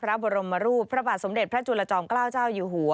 พระบรมรูปพระบาทสมเด็จพระจุลจอมเกล้าเจ้าอยู่หัว